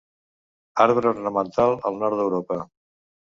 Arbre ornamental al nord d'Europa.